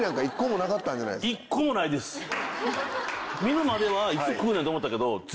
見るまではいつ食うねんと思ったけど。